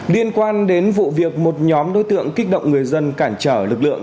liên quan đến vụ việc một nhóm đối tượng kích động người dân cản trở lực lượng